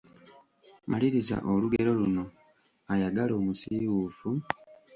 Maliriza olugero luno: Ayagala omusiiwuufu…